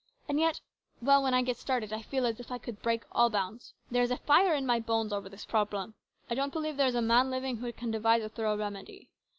And yet well, when I get started, I feel as if I could break all bounds. There is a fire in my bones over this problem. I don't believe there is a man living who can devise a thorough remedy.